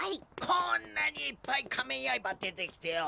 こんなにいっぱい仮面ヤイバー出てきてよ